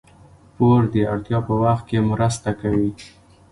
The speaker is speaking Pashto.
پور د اړتیا په وخت کې مرسته کوي.